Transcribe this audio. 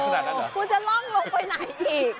คุณจะร่องลงไปไหนอีก